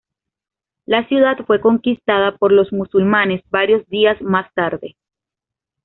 La ciudad fue conquistada por los musulmanes varios días más tarde.